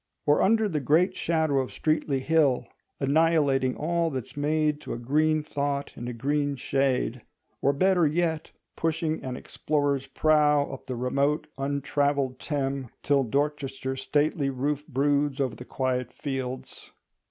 Or under the great shadow of Streatley Hill, "annihilating all that's made to a green thought in a green shade"; or better yet, pushing an explorer's prow up the remote untravelled Thame, till Dorchester's stately roof broods over the quiet fields.